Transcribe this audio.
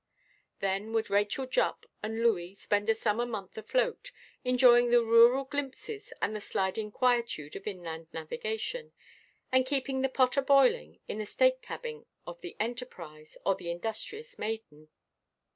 Then would Rachel Jupp and Looey spend a summer month afloat, enjoying the rural glimpses and the sliding quietude of inland navigation, and keeping the pot a–boiling in the state–cabin of the Enterprise or the Industrious Maiden.